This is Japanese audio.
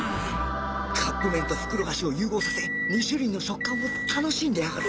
カップ麺と袋菓子を融合させ２種類の食感を楽しんでやがる